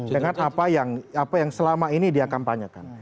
dengan apa yang selama ini dia kampanyekan